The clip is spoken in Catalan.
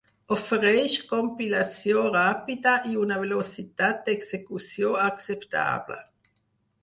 Ofereix compilació ràpida i una velocitat d'execució acceptable.